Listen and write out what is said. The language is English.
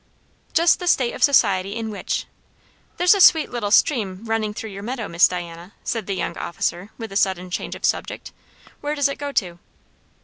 "Just the state of society in which There's a sweet little stream running through your meadow, Miss Diana," said the young officer with a sudden change of subject. "Where does it go to?"